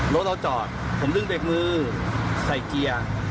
รถเราจอดผมดึงเบรกมือใส่เกียร์